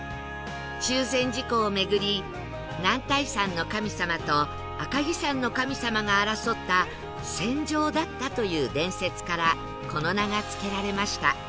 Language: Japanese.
中禅寺湖を巡り男体山の神様と赤城山の神様が争った戦場だったという伝説からこの名が付けられました